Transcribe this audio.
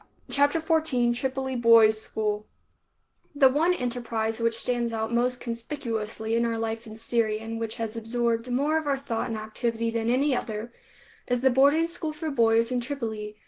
CHAPTER XIV TRIPOLI BOYS' SCHOOL The one enterprise which stands out most conspicuously in our life in Syria and which has absorbed more of our thought and activity than any other, is the boarding school for boys in Tripoli.